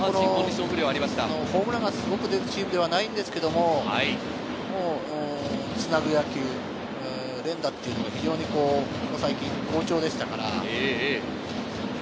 ホームランがすごく出るチームではないんですけれど、繋ぐ野球、連打っていうのが、ここ最近、非常に好調でしたから。